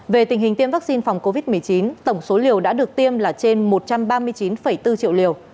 về tình hình tiêm vaccine phòng covid một mươi chín tổng số liều đã được tiêm là trên một trăm ba mươi chín bốn triệu liều